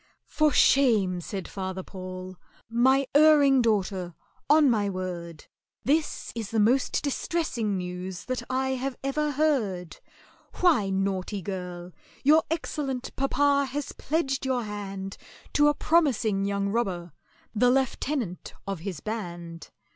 "For shame!" said FATHER PAUL, "my erring daughter! On my word This is the most distressing news that I have ever heard. Why, naughty girl, your excellent papa has pledged your hand To a promising young robber, the lieutenant of his band!